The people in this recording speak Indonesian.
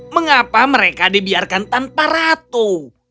mengapa mereka dibiarkan tanpa ratu